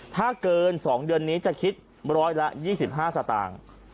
ถ้าเกิน๒เดือนนี้จะคิดร้อยละ๒๕สตางค์